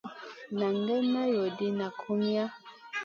Nʼagai mey wondi nak humiya?